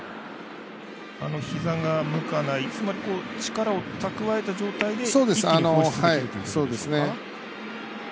膝が向かないつまり、力を蓄えた状態で一気に放出できるということでしょうか。